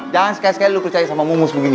jangan sekali sekali lu percaya sama mumus begini